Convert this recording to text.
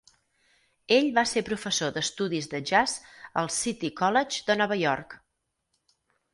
Ell va ser professor d'estudis de jazz al City College de Nova York.